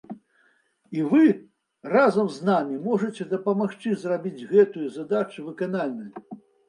І вы разам з намі можаце дапамагчы зрабіць гэтую задачу выканальнай!